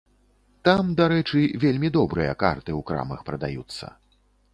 Там, дарэчы, вельмі добрыя карты ў крамах прадаюцца.